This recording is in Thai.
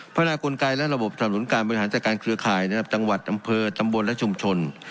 พยากลไกและระบบสนับหนุนการบริหารจัดการเครือข่ายนะครับจังหวัดอำเภอตำบลและชุมชน